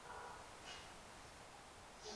এমনি বকরবকর, ধাঁধা, কোড।